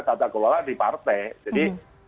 tata kelola di partai jadi